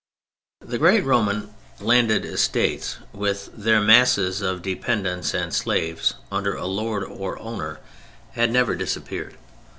The great Roman landed estates, with their masses of dependents and slaves, under a lord or owner, had never disappeared.